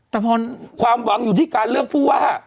แต่พอความหวังอยู่ที่การเลือกผู้ว่า